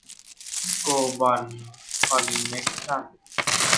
โกลบอล คอนเน็คชั่นส์